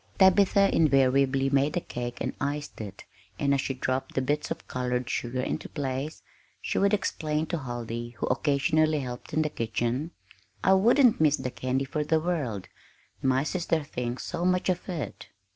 Tabitha invariably made the cake and iced it, and as she dropped the bits of colored sugar into place, she would explain to Huldy, who occasionally "helped" in the kitchen: "I wouldn't miss the candy for the world my sister thinks so much of it!"